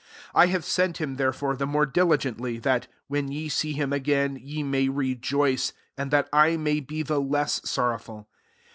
28 I have sent him there fore the more diligently^ thAt| when ye see him again, ye m$j rejoice, and that I may be ^ less sorrowful.